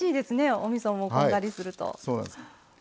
おみそも、こんがりすると。